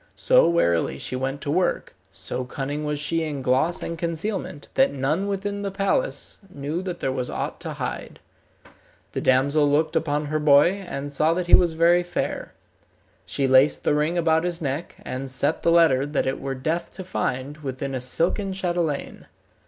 So warily she went to work, so cunning was she in gloss and concealment, that none within the palace knew that there was aught to hide. The damsel looked upon her boy, and saw that he was very fair. She laced the ring about his neck, and set the letter that it were death to find, within a silken chatelaine.